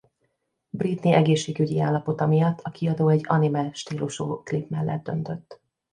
Britney egészségügyi állapota miatt a kiadó egy anime stílusú klip mellett döntött.